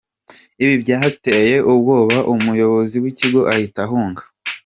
Ibi byateye ubwoba umuyobozi w’ Ikigo ahita ahunga.